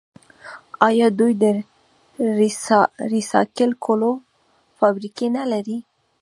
آیا دوی د ریسایکل کولو فابریکې نلري؟